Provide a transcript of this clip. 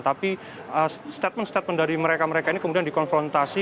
tapi statement statement dari mereka mereka ini kemudian dikonfrontasi